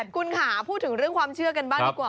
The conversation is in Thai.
คุณค่ะพูดถึงเรื่องความเชื่อกันบ้างดีกว่า